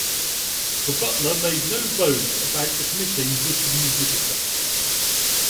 The butler made no bones about admitting this new visitor.